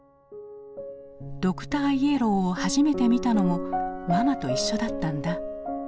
「ドクターイエローを初めて見たのもママと一緒だったんだ」。